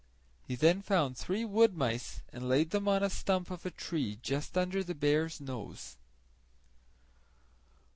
He then found three wood mice and laid them on a stump of a tree just under the bear's nose.